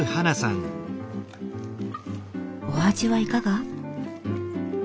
お味はいかが？